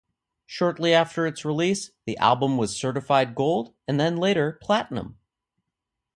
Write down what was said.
Shortly after its release, the album was certified gold and then later platinum.